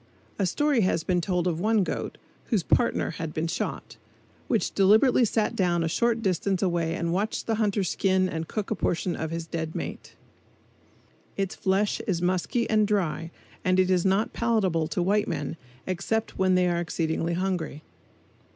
A story has been told of one goat, whose "partner" had been shot, which deliberately sat down a short distance away and watched the hunter skin and cook a portion of his dead mate. Its flesh is musky and dry and it is not palatable to white men except when they are exceedingly hungry.